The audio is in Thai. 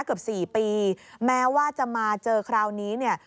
เกือบ๔ปีแม้ว่าจะมาเจอคราวนี้เนี่ย